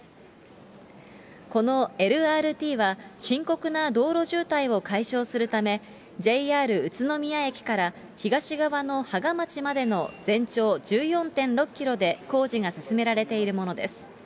このＬＲＴは、深刻な道路渋滞を解消するため、ＪＲ宇都宮駅から、東側の芳賀町までの全長１４．６キロで工事が進められているものです。